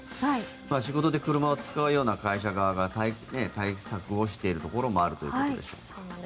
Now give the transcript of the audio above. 仕事で車を使うような会社が対策をしているところもあるということでしょうか。